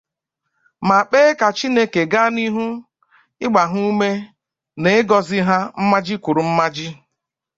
ma kpee ka Chineke gaa n'ihu ịgba ha ume na ịgọzi ha mmaji kwuru mmaji.